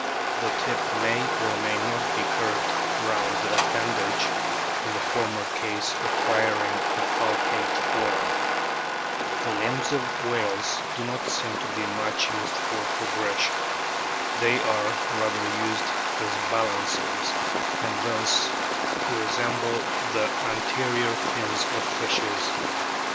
The tip may or may not be curved round the appendage, in the former case acquiring a falcate form. The limbs of whales do not seem to be much used for progression. They are rather used as balancers, and thus resemble the anterior fins of fishes.